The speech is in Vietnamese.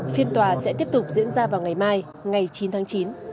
phiên tòa sẽ tiếp tục diễn ra vào ngày mai ngày chín tháng chín